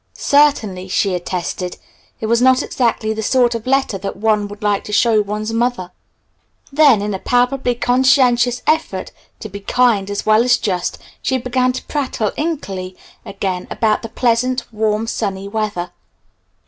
"Certainly," she attested, "it was not exactly the sort of letter that one would like to show one's mother." Then, in a palpably conscientious effort to be kind as well as just, she began to prattle inkily again about the pleasant, warm, sunny weather.